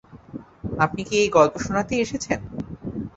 আপনি কি এই গল্প শোনাতেই এসেছেন?